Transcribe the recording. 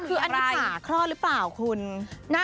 คืออันนี้ฝาคลอดหรือเปล่าคุณ